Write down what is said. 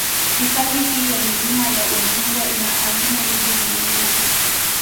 Hifadhi hii ya Milima ya Udzungwa ina hazina nyingi za mimea